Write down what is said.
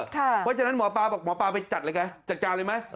เพราะฉะนั้นหมอปลาบอกหมอปลาไปจัดเลยไงจัดการเลยไหม